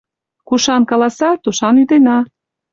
Кушан каласа, тушан ӱдена.